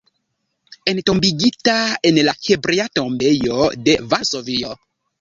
Entombigita en la Hebrea tombejo de Varsovio.